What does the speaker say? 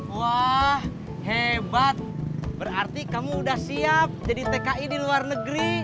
wah hebat berarti kamu udah siap jadi tki di luar negeri